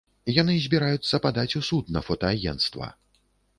Яны збіраюцца падаць у суд на фотаагенцтва.